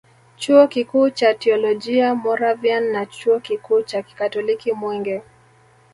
Chuo kikuu cha Teolojia Moravian na Chuo kikuu cha kikatoliki Mwenge